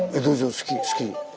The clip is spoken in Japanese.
好き。